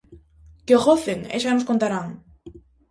Que o gocen e xa nos contarán!